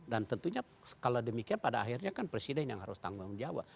dan tentunya kalau demikian pada akhirnya kan presiden yang harus tanggung jawab